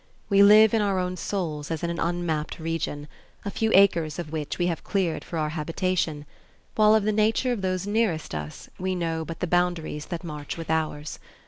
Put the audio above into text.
We live in our own souls as in an unmapped region, a few acres of which we have cleared for our habitation; while of the nature of those nearest us we know but the boundaries that march with ours.